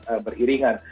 maka itu akan beriringan